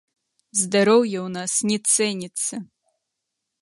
Здароўе у нас не цэніцца!